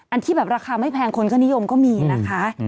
ที่แบบราคาไม่แพงคนก็นิยมก็มีนะคะ